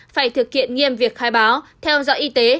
phải thực hiện nghiêm việc khai báo theo dõi y tế